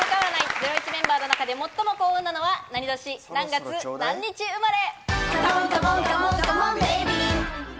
『ゼロイチ』メンバーの中で最も幸運なのは何年、何月何日生まれ。